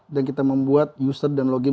dan kita membuat user dan login